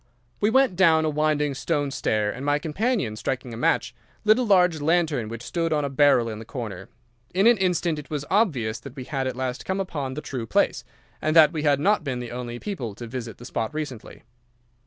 "We went down a winding stone stair, and my companion, striking a match, lit a large lantern which stood on a barrel in the corner. In an instant it was obvious that we had at last come upon the true place, and that we had not been the only people to visit the spot recently.